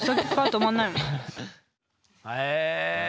へえ。